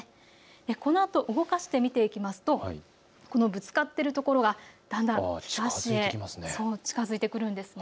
このあと動かして見ていきますとぶつかっているところがだんだん東へ近づいてくるんです。